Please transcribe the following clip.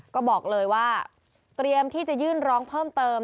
ก็บอกเลยว่าเตรียมที่จะยื่นร้องเพิ่มเติม